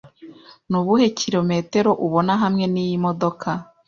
Nubuhe kilometero ubona hamwe niyi modoka?